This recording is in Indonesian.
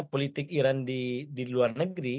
politik iran di luar negeri